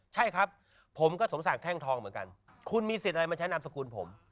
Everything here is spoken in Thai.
ใช่ครับผมก็สมศักดิ์แท่งทองเหมือนกันคุณมีสิทธิ์อะไรมาใช้นามสกุลผม